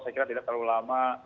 saya kira tidak terlalu lama